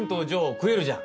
食えるじゃん。